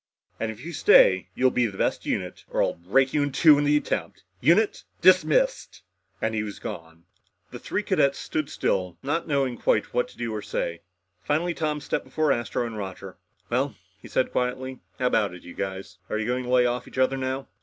And if you stay, you'll be the best unit, or I'll break you in two in the attempt. Unit dis ... missed!" And he was gone. The three cadets stood still, not knowing quite what to do or say. Finally Tom stepped before Astro and Roger. "Well," he said quietly, "how about it, you guys? Are you going to lay off each other now?"